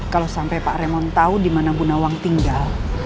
kalau sampai pak remon tahu di mana bunawang tinggal